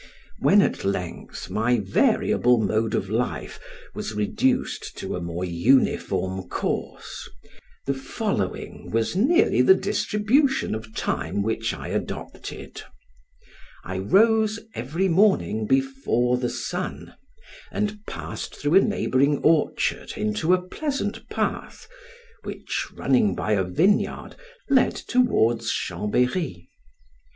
When at length my variable mode of life was reduced to a more uniform course, the following was nearly the distribution of time which I adopted: I rose every morning before the sun, and passed through a neighboring orchard into a pleasant path, which, running by a vineyard, led towards Chambery.